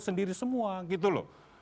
sendiri semua gitu loh